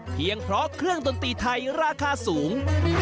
เพียงเพราะเครื่องดนตรีไทยราคาสูง